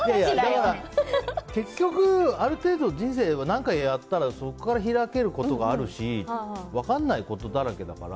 だから結局、ある程度人生は何かやったらそこから開けることがあるし分からないことだらけだから。